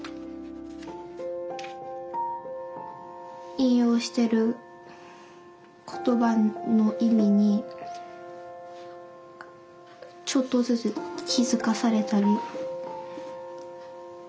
引用してる言葉の意味にちょっとずつ気付かされたり。